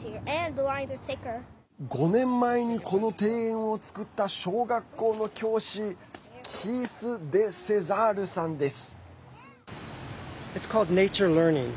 ５年前に、この庭園を造った小学校の教師キース・デ・セザールさんです。